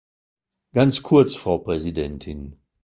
Ganz kurz, Frau Präsidentin.